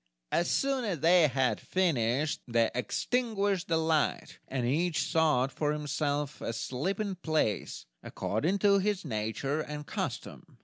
As soon as they had finished, they extinguished the light, and each sought for himself a sleeping place, according to his nature and custom.